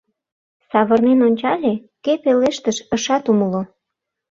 Савырнен ончале — кӧ пелештыш, ышат умыло.